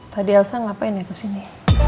tadi elsa ngapain ya kesini